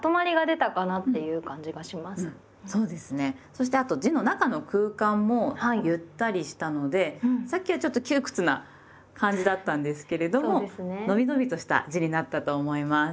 そしてあと字の中の空間もゆったりしたのでさっきはちょっと窮屈な感じだったんですけれどものびのびとした字になったと思います。